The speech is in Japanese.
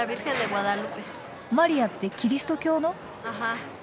マリアってキリスト教の？